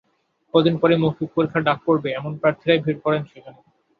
কদিন পরই মৌখিক পরীক্ষায় ডাক পড়বে এমন প্রার্থীরাই ভিড় করেন সেখানে।